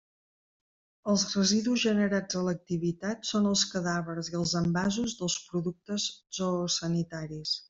Els residus generats a l'activitat són els cadàvers i els envasos dels productes zoosanitaris.